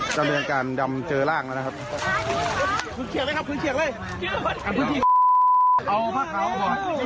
จะเป็นอาการดำเจอร่างแล้วนะครับ